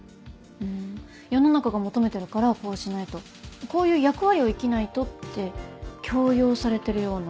世の中が求めてるからこうしないとこういう役割を生きないとって強要されてるような。